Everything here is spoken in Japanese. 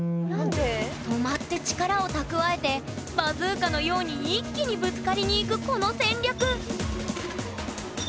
止まって力を蓄えてバズーカのように一気にぶつかりにいくこの戦略